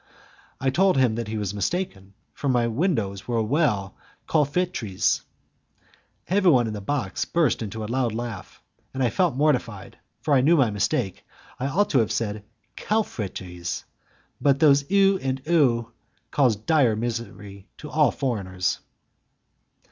I told him he was mistaken, for my windows were well 'calfoutrees'. Everyone in the box burst into a loud laugh, and I felt mortified, for I knew my mistake; I ought to have said 'calfeutrees'. But these 'eus' and 'ous' cause dire misery to all foreigners.